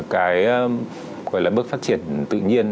cái gọi là bước phát triển tự nhiên